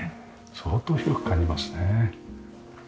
相当広く感じますね。